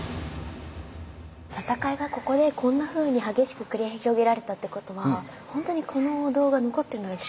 戦いがここでこんなふうに激しく繰り広げられたってことはほんとにこのお堂が残ってるのが奇跡ですよね。